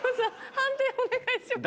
判定お願いします。